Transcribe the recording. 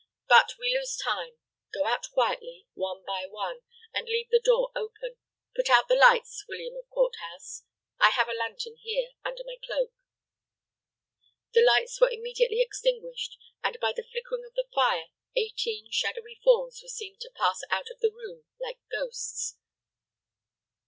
"But we lose time. Go out quietly, one by one, and leave the door open. Put out the lights, William of Courthose. I have a lantern here, under my cloak." The lights were immediately extinguished, and, by the flickering of the fire, eighteen shadowy forms were seen to pass out of the room like ghosts.